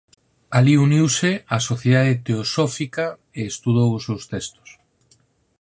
Alí uniuse á Sociedade Teosófica e estudou os seus textos.